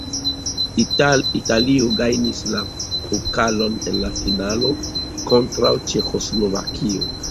Italio gajnis la pokalon en la finalo kontraŭ Ĉeĥoslovakio.